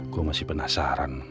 gua masih penasaran